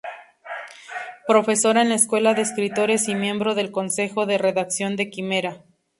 Profesor en la Escuela de Escritores y miembro del Consejo de Redacción de "Quimera.